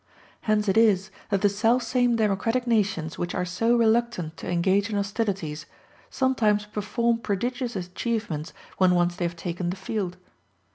Hence it is that the selfsame democratic nations which are so reluctant to engage in hostilities, sometimes perform prodigious achievements when once they have taken the field.